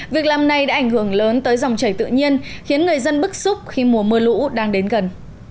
việc làm này đã ảnh hưởng lớn tới dòng chảy tự nhiên khiến người dân bức xúc khi mùa mưa lũ đang đến gần